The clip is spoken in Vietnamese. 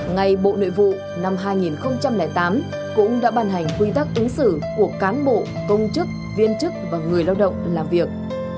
ngày bộ nội vụ năm hai nghìn tám cũng đã bàn hành quy tắc ứng xử của cán bộ công chức viên chức và người lao động làm việc